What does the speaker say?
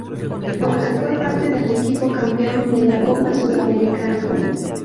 Aunque fue parte del equipo campeón de la Copa Sudamericana.